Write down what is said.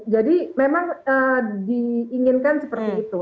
jadi memang diinginkan seperti itu